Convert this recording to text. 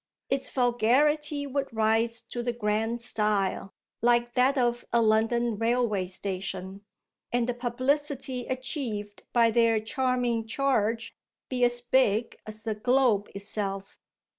Its vulgarity would rise to the grand style, like that of a London railway station, and the publicity achieved by their charming charge be as big as the globe itself.